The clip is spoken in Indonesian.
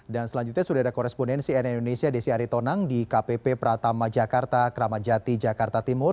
dan selanjutnya sudah ada koresponensi nn indonesia desi aritonang di kpp pratama jakarta kramadjati jakarta timur